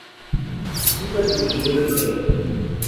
Lauper dirigió el vídeo.